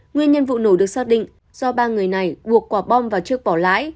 nguyên nhân vụ nổ được xác định do ba người này buộc quả bom vào trước bỏ lãi